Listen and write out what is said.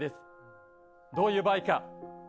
どういう場合か。